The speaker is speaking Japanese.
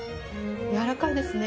やわらかいですね。